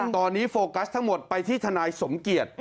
ตอนนี้โฟกัสทั้งหมดไปที่ทนายสมเกียจ